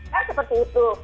kan seperti itu